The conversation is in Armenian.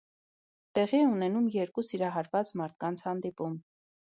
Տեղի է ունենում երկու սիրահարված մարդկանց հանդիպում։